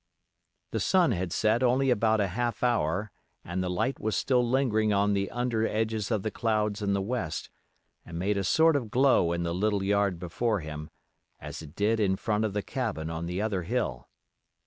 The sun had set only about a half hour and the light was still lingering on the under edges of the clouds in the west and made a sort of glow in the little yard before him, as it did in front of the cabin on the other hill.